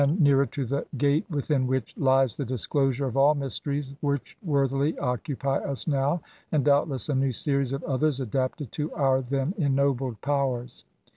39 nearer to the gate within which lies the disclosure of all mysteries which worthily occupy us now, and doubtless a new series of others adapted to our then ennobled powers.